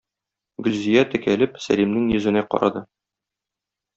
Гөлзия текәлеп Сәлимнең йөзенә карады.